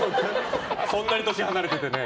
そんなに年離れててね。